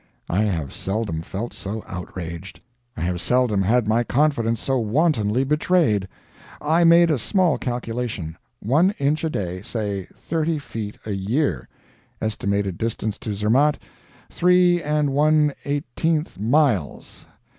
I have seldom felt so outraged. I have seldom had my confidence so wantonly betrayed. I made a small calculation: One inch a day, say thirty feet a year; estimated distance to Zermatt, three and one eighteenth miles.